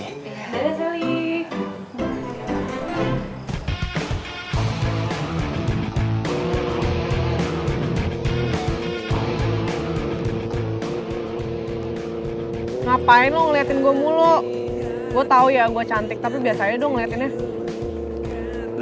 ngapain lo liatin gua mulu gua tahu ya gue cantik tapi biasanya dong lihat ini